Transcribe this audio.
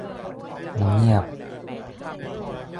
มันเงียบ